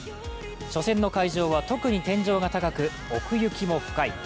初戦の会場は特に天井が高く奥行きも深い。